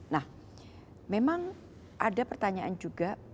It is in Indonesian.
nah memang ada pertanyaan juga